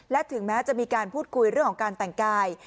และถึงแม้จะมีการพูดคุยเรื่องของการแต่งกาย